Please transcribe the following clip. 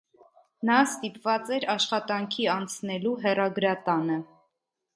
Նա ստիպված էր աշխատանքի անցնելու հեռագրատանը։